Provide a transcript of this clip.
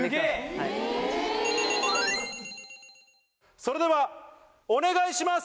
・それではお願いします！